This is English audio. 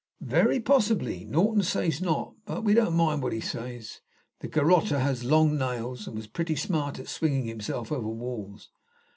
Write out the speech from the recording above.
"Very possibly. Norton says not; but we don't mind what he says. The garrotter had long nails, and was pretty smart at swinging himself over walls.